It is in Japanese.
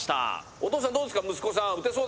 お父さんどうですか？